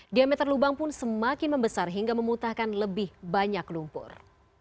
diameter lubang pun semakin membesar hingga memuntahkan lebih banyak lumpur